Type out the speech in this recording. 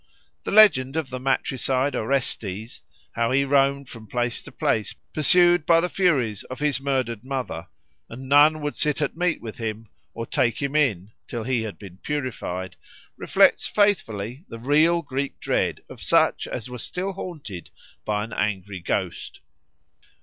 The legend of the matricide Orestes, how he roamed from place to place pursued by the Furies of his murdered mother, and none would sit at meat with him, or take him in, till he had been purified, reflects faithfully the real Greek dread of such as were still haunted by an angry ghost.